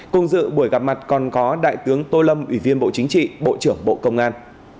cùng dự buổi gặp mặt còn có đại tướng tô lâm ủy viên bộ chính trị bộ trưởng bộ công an